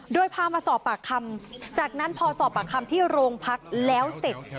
โดยพามาสอบปากคำจากนั้นพอสอบปากคำที่โรงพักแล้วเสร็จ